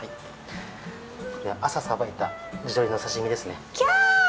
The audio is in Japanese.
これは朝さばいた地鶏の刺身ですね。